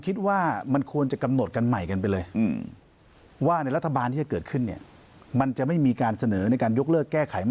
ผมคิดว่ามันควรจะกำหนดกันใหม่กันไปเลย